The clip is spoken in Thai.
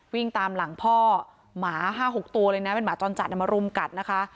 วิ่งตามหลังพ่อหมา๕๖ตัวเลยนะเป็นหมาจรจัดมารุมกัดนะคะ